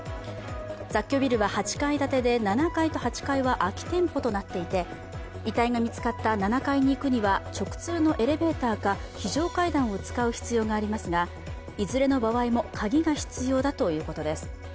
雑居ビルは８階建てで７階と８階は空き店舗となっていて遺体が見つかった７階に行くには直通のエレベーターか非常階段を使う必要がありますが、いずれの場合も鍵が必要だということです。